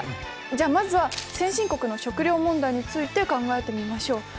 じゃあまずは先進国の食料問題について考えてみましょう。